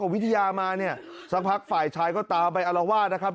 วิทยามาเนี่ยสักพักฝ่ายชายก็ตามไปอารวาสนะครับ